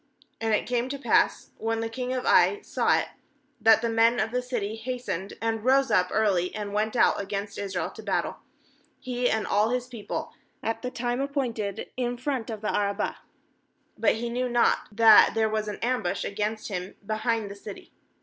14And it came to pass, when the king of Ai saw it, that the men of the city hastened and rose up early and went out against Israel to battle, he and all his peo ple, at the time appointed, in front of the Arabah; but he knew not that there was an ambush against him be hind the city.